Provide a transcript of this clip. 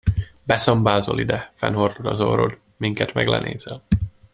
Beszambázol ide, fennhordod az orrod, minket meg lenézel.